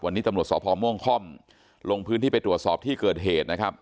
วันนี้ตำรวจสพม่วงค่อมลงพื้นที่ไปตรวจสอบที่เกิดเหตุนะครับ